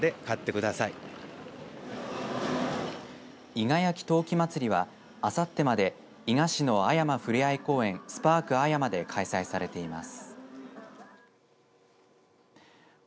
伊賀焼陶器まつりはあさってまで伊賀市のあやまふれあい公園すぱーく阿山で開催されています。